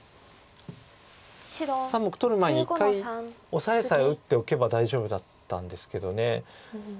３目取る前に一回オサエさえ打っておけば大丈夫だったんですけど。